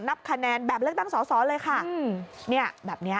นับคะแนนแบบเลือกตั้งสอสอเลยค่ะเนี่ยแบบเนี้ย